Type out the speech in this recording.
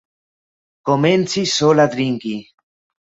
Komencis sola drinki.